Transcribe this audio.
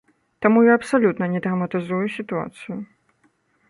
Таму я абсалютна не драматызую сітуацыю.